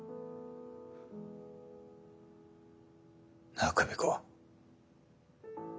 なあ久美子。